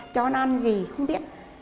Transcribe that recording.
cho nó ăn gì không biết